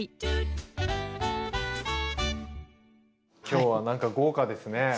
今日は何か豪華ですね。